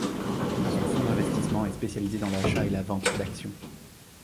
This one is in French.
Son fonds d'investissement est spécialisé dans l'achat et la vente d'actions.